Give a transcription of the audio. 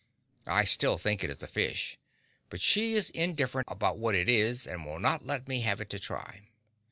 I still think it is a fish, but she is indifferent about what it is, and will not let me have it to try.